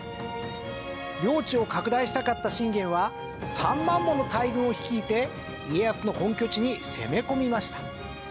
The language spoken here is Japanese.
領地を拡大したかった信玄は３万もの大軍を率いて家康の本拠地に攻め込みました。